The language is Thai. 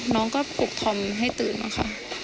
น้องก็ปลุกธอมให้ตื่นบ้างค่ะ